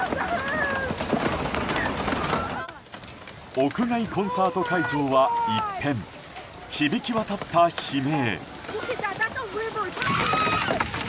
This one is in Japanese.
屋外コンサート会場は一変響き渡った悲鳴。